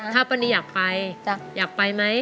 ถ้าป้านีอยากไปอยากไปไหม